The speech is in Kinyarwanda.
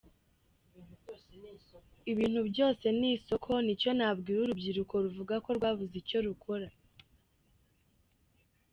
Ibintu byose ni isoko, ni cyo nabwira urubyiruko ruvuga ko rwabuze icyo rukora.